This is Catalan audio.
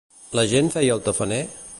La gent feia el tafaner?